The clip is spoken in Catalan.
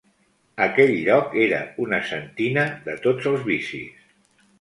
Aquell lloc era una sentina de tots els vicis.